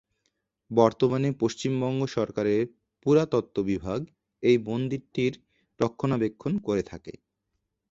বর্তমানে পশ্চিমবঙ্গ সরকারের পুরাতত্ত্ব বিভাগ এই মন্দিরটির রক্ষণাবেক্ষণ করে থাকে।